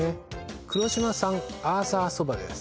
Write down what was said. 黒島産アーサそばです